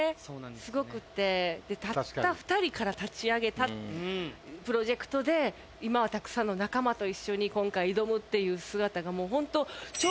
すごくってたった２人から立ち上げたプロジェクトで今はたくさんの仲間と一緒に今回挑むっていう姿がもう本当。